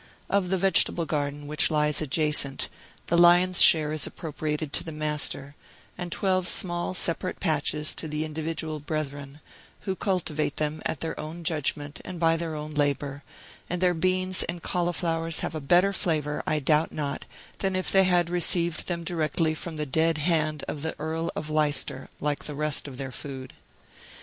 Of the vegetable garden, which lies adjacent, the lion's share is appropriated to the Master, and twelve small, separate patches to the individual brethren, who cultivate them at their own judgment and by their own labor; and their beans and cauliflowers have a better flavor, I doubt not, than if they had received them directly from the dead hand of the Earl of Leicester, like the rest of their food.